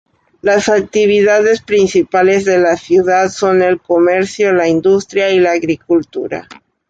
Las actividades principales de la ciudad son el comercio, la industria y la agricultura.